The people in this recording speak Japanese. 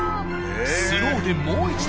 スローでもう一度。